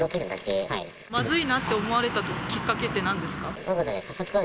まずいなって思われたきっかけってなんですか。